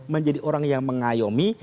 menjadi orang yang mengayomi